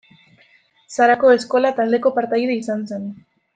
Sarako Eskola taldeko partaide izan zen.